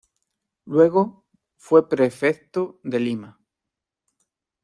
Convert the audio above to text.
Luego fue prefecto de Lima.